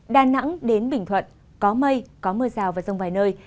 đà nẵng đến bình thuận có mây có mưa rào và rông vài nơi